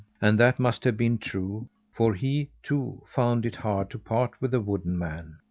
And that must have been true, for he, too, found it hard to part with the wooden man.